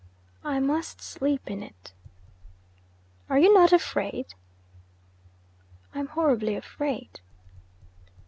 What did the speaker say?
'I must sleep in it.' 'Are you not afraid?' 'I am horribly afraid.'